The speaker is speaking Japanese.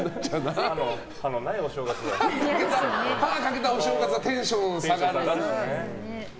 歯欠けたお正月はテンション下がるよね。